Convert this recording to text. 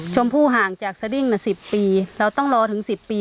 ชมพู่ห่างจากสดิ้ง๑๐ปีเราต้องรอถึง๑๐ปี